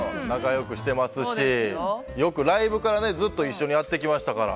よく知ってますしライブからずっと一緒にやってきましたから。